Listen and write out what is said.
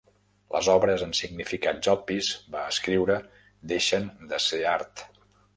Les obres amb significats obvis, va escriure, deixen de ser art.